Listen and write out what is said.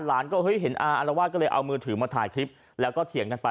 ก็เฮ้ยเห็นอาอารวาสก็เลยเอามือถือมาถ่ายคลิปแล้วก็เถียงกันไป